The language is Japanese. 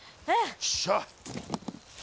よっしゃ。